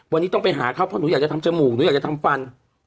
วันนี้ต้องไปหาเขาเพราะหนูอยากจะทำจมูกหนูอยากจะทำฟัน